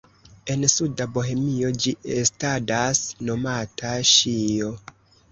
En suda Bohemio ĝi estadas nomata "ŝijo".